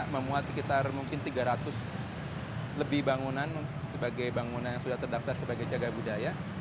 memuat sekitar mungkin tiga ratus lebih bangunan sebagai bangunan yang sudah terdaftar sebagai jaga budaya